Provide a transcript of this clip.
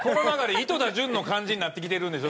井戸田潤の感じになってきてるんでしょ？